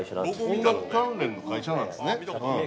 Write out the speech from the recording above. ◆音楽関連の会社なんですね。